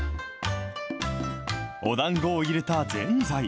おだんごを入れたぜんざい。